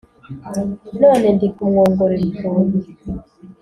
None ndikumwongorera utunu